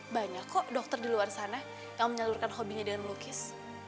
banyak kok dokter di luar sana yang menyalurkan hobinya dengan melukis